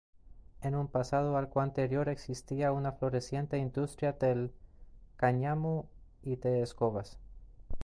En un pasado algo anterior existía una floreciente industria del cáñamo y de escobas.